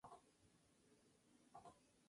Mas tiendas serán agregadas en los próximos años.